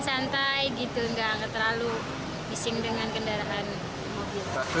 santai gitu nggak terlalu bising dengan kendaraan mobil